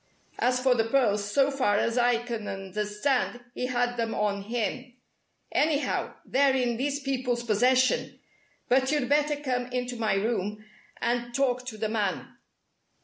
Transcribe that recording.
As for the pearls, so far as I can understand, he had them on him. Anyhow, they're in these people's possession. But you'd better come into my room and talk to the man."